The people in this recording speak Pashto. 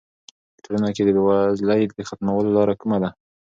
په ټولنه کې د بې وزلۍ د ختمولو لاره کومه ده؟